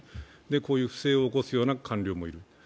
こういう不正を起こす官僚もいる。